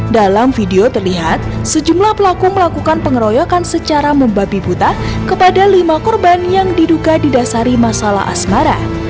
dalam video terlihat sejumlah pelaku melakukan pengeroyokan secara membabi buta kepada lima korban yang diduga didasari masalah asmara